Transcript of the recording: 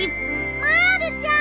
まるちゃん！